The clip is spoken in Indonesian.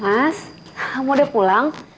mas kamu udah pulang